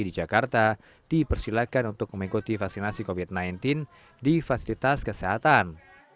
di jakarta dipersilakan untuk mengikuti vaksinasi covid sembilan belas di fasilitas kesehatan